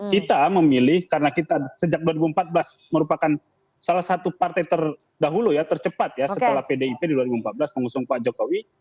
kita memilih karena kita sejak dua ribu empat belas merupakan salah satu partai terdahulu ya tercepat ya setelah pdip di dua ribu empat belas mengusung pak jokowi